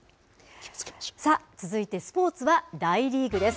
続いてスポーツは大リーグです。